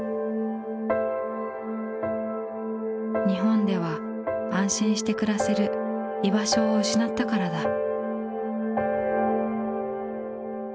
日本では安心して暮らせる居場所を失ったからだ。